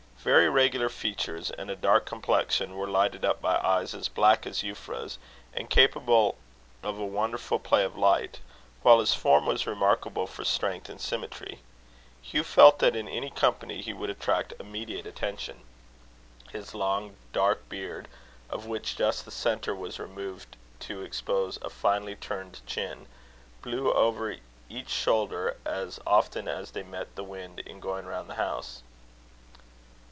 Very regular features and a dark complexion were lighted up by eyes as black as Euphra's, and capable of a wonderful play of light; while his form was remarkable for strength and symmetry. Hugh felt that in any company he would attract immediate attention. His long dark beard, of which just the centre was removed to expose a finely turned chin, blew over each shoulder as often as they met the wind in going round the house.